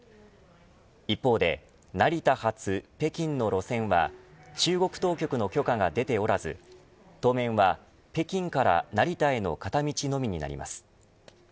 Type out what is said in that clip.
一方で、成田発北京の路線は中国当局の許可が出ておらず当面は北京から成田への片道のみになります。